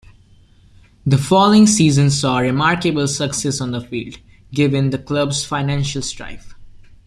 The following season saw remarkable success on the field, given the club's financial strife.